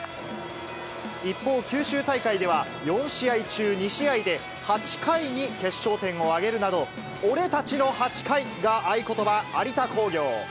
一方、九州大会では、４試合中２試合で、８回に決勝点を挙げるなど、俺たちの８回が合言葉、有田工業。